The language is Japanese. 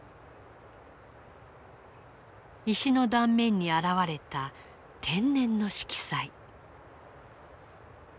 石の断面に現れた天然の色彩。